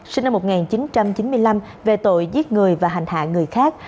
sinh năm một nghìn chín trăm chín mươi năm về tội giết người và hành hạ người khác